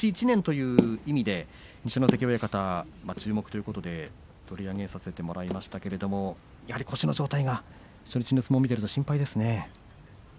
１年という意味で二所ノ関親方注目ということで取り上げさせてもらいましたがやはり腰の状態が初日の相撲を見ていると心配ですね。